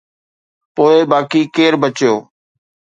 پوءِ باقي ڪير بچيو؟